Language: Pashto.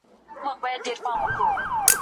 آیا سیند تر ویالې پراخ دی؟